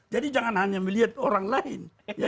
jadi jangan hanya melihat orang lain